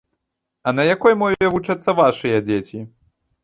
А на якой мове вучацца вашыя дзеці?